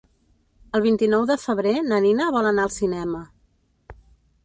El vint-i-nou de febrer na Nina vol anar al cinema.